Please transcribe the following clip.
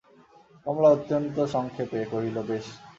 কমলা অত্যন্ত সংক্ষেপে কহিল, বেশ।